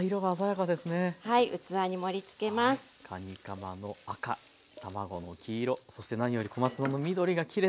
かにかまの赤卵の黄色そして何より小松菜の緑がきれいですね。